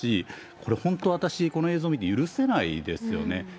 これ本当、私、この映像見て、許せないですよね。